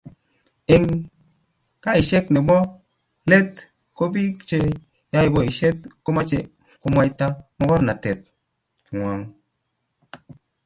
eng kaeshet nebo let ko piik che yae poishet ko mache komwaita magornatet ngwai